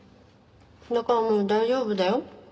だからもう大丈夫だよ。